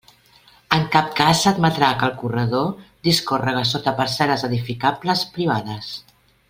En cap cas s'admetrà que el corredor discórrega sota parcel·les edificables privades.